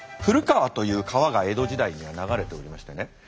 古川という川が江戸時代には流れておりましてね。